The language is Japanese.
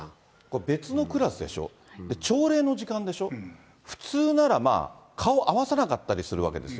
別のクラスでしょ、朝礼の時間でしょ、普通なら、顔合わさなかったりするわけですよ。